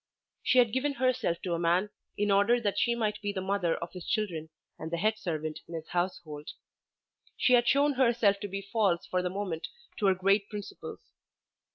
She had given herself to a man in order that she might be the mother of his children and the head servant in his household. She had shown herself to be false for the moment to her great principles.